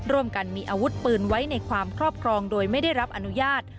ร่วมกันมีอาวุธปืนไว้ในความครอบครองโดยไม่ได้รับอนุญาต